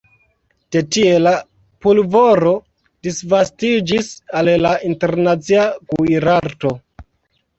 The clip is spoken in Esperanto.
De tie la pulvoro disvastiĝis al la internacia kuirarto.